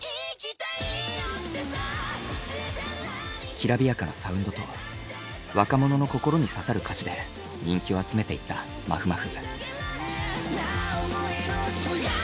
きらびやかなサウンドと若者の心に刺さる歌詞で人気を集めていったまふまふ。